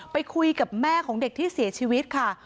ไปคุยกับแม่ของเด็กที่เสียชีวิตค่ะ